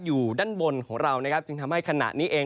อยู่ด้านบนของเรานะครับจึงทำให้ขณะนี้เอง